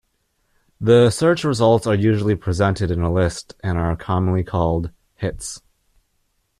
The search results are usually presented in a list and are commonly called "hits".